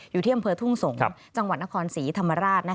อยู่ที่อำเภอทุ่งสงศ์จังหวัดนครศรีธรรมราช